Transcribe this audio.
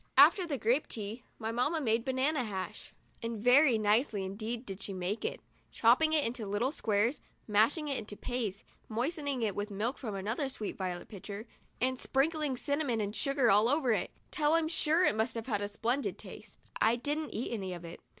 After the grape tea, my mamma made banana hash, and very nicely indeed did she make it, chopping it into little squares, mashing it into a paste, moistening it with milk from another sweet violet pitcher, and sprinkling cinnamon and sugar all over it till I'm sure it must have had a splendid taste. I didn't eat any of it.